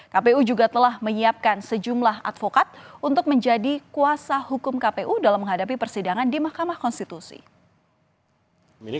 kpu juga telah menyiapkan sejumlah advokat untuk menjadi kuasa hukum kpu dalam menghadapi persidangan di mahkamah konstitusi